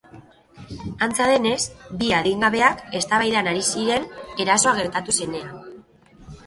Antza denez, bi adingabeak eztabaidan ari ziren erasoa gertatu zenean.